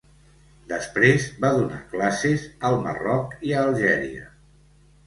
Després, va donar classes al Marroc i a Algèria.